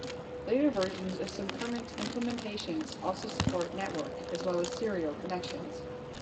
Later versions of some Kermit implementations also support network as well as serial connections.